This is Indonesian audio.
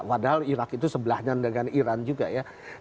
padahal irak itu sebelahnya dengan iran juga ya